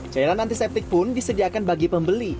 cairan antiseptik pun disediakan bagi pembeli